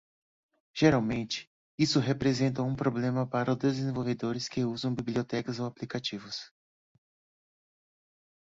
Geralmente, isso representa um problema para os desenvolvedores que usam bibliotecas ou aplicativos.